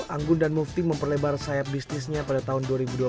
anggun dan move team memperlebar sayap bisnisnya pada tahun dua ribu sepuluh